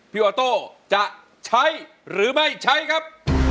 โอโต้จะใช้หรือไม่ใช้ครับ